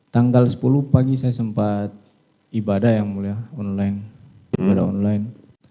tanggal sepuluh pagi saya sempat ibadah yang mulia online